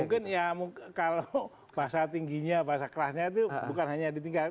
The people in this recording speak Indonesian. mungkin ya kalau bahasa tingginya bahasa kerahnya tuh bukan hanya ditinggal